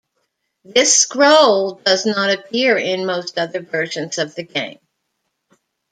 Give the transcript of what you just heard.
This scroll does not appear in most other versions of the game.